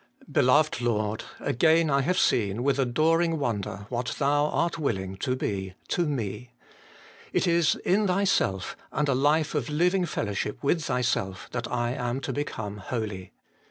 Beloved Lord ! again have I seen, with adoring wonder, what Thou art willing to be to me. It is in Thyself, and a life of living fellowship with Thyself, that I am to become holy.